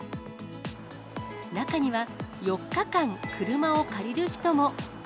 中には、４日間車を借りる人も。